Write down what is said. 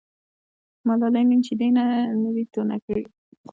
ملالۍ نن شیدې نه دي تونه کړي.